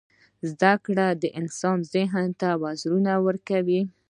• زده کړه د انسان ذهن ته وزرونه ورکوي.